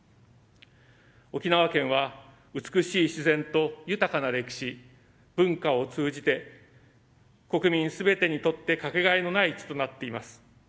沖縄県は、美しい自然と豊かな歴史、文化を通じて国民全てにとってかけがえのない地となっています。